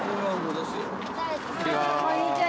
こんにちは。